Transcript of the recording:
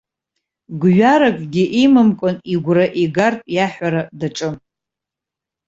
Гәҩаракгьы имамкәан игәра игартә иаҳәара даҿын.